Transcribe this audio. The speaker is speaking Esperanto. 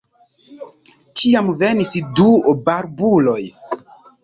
Tiam venis du barbuloj.